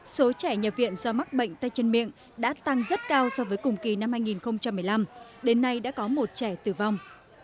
số trẻ nhập viện do mắc bệnh tay chân miệng đã tăng rất cao so với cùng kỳ năm hai nghìn một mươi năm đến nay đã có một trẻ tử vong